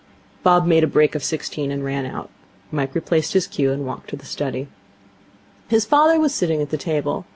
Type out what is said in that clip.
Bob made a break of sixteen, and ran out. Mike replaced his cue, and walked to the study. His father was sitting at the table.